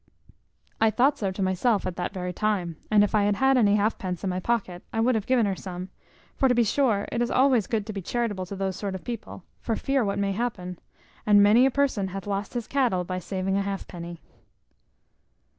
I thought so to myself at that very time; and if I had had any halfpence in my pocket, I would have given her some; for to be sure it is always good to be charitable to those sort of people, for fear what may happen; and many a person hath lost his cattle by saving a halfpenny."